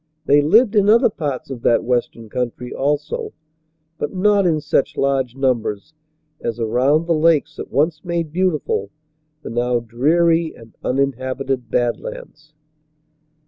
They lived in other parts of that western country, also, but not in such large numbers as around the lakes that once made beautiful the now dreary and uninhabited Bad Lands.